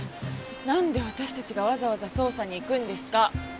なんで私たちがわざわざ捜査に行くんですか？